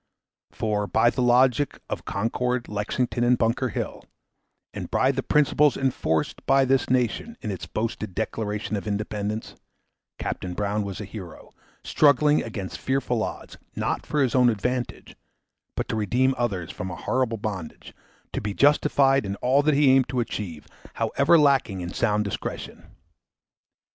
(¶ 4) For, by the logic of Concord, Lexington, and Bunker Hill, and by the principles enforced by this nation in its boasted Declaration of Independence, Capt. Brown was a hero, struggling against fearful odds, not for his own advantage, but to redeem others from a horrible bondage, to be justified in all that he aimed to achieve, however lacking in sound discretion.